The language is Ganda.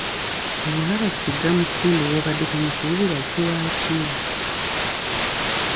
Bw'olaba ssigga mu kitundu w'obadde tomusuubira kubeera, kiba ki?